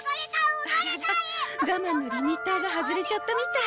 あらら我慢のリミッターが外れちゃったみたい。